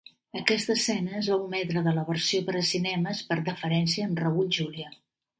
Aquesta escena es va ometre de la versió per a cinemes "per deferència amb Raul Julia".